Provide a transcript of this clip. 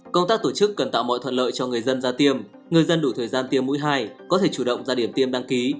công tác tổ chức cần tạo mọi thuận lợi cho người dân ra tiêm người dân đủ thời gian tiêm mũi hai có thể chủ động ra điểm tiêm đăng ký